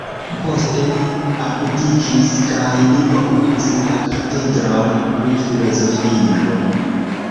Poste li abdikis kaj li okupis la katedron pri filozofio.